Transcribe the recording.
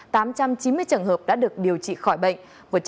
tám trăm chín mươi trường hợp đã được điều trị khỏi bệnh